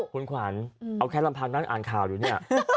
คุณขวานเอาแค่ลำพังด้านอ่านข่าวดูนี่